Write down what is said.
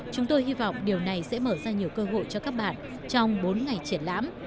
chúng tôi hy vọng điều này sẽ mở ra nhiều cơ hội cho các bạn trong bốn ngày triển lãm